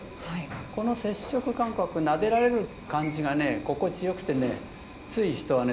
この接触感覚なでられる感じがね心地よくてねつい人はね